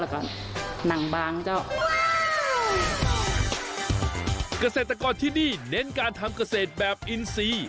เกษตรกรที่นี่เน้นการทำเกษตรแบบอินซี